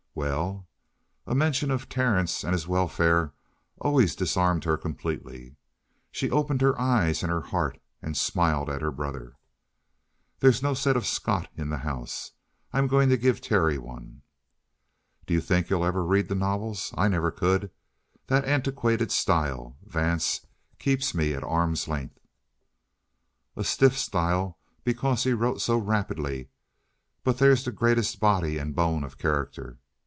"Well?" A mention of Terence and his welfare always disarmed her completely. She opened her eyes and her heart and smiled at her brother. "There's no set of Scott in the house. I'm going to give Terry one." "Do you think he'll ever read the novels? I never could. That antiquated style, Vance, keeps me at arm's length." "A stiff style because he wrote so rapidly. But there's the greatest body and bone of character.